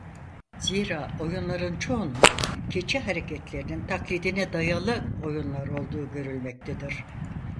Zira oyunların çoğunun keçi hareketlerinin taklidine dayalı oyunlar olduğu görülmektedir.